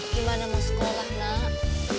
gimana mau sekolah nak